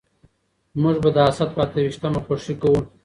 موږ به د اسد په اته ويشتمه خوښي کوو.